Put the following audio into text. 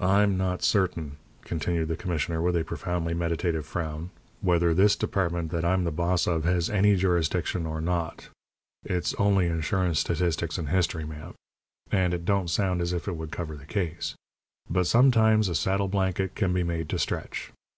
I'm not certain," continued the commissioner, with a profoundly meditative frown, "whether this department that I'm the boss of has any jurisdiction or not. It's only Insurance, Statistics, and History, ma'am, and it don't sound as if it would cover the case. But sometimes a saddle blanket can be made to stretch.